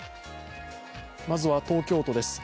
まずは東京都です。